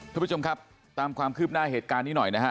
ทุกผู้ชมครับตามความคืบหน้าเหตุการณ์นี้หน่อยนะฮะ